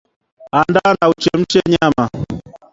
Andaa na uchemshe nyama